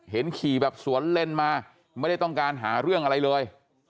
ขี่แบบสวนเล่นมาไม่ได้ต้องการหาเรื่องอะไรเลย